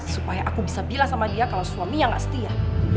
supaya aku bisa bilang sama dia kalau suaminya gak setia